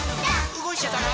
うごいちゃダメ。